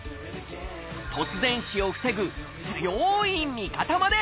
突然死を防ぐ強い味方まで。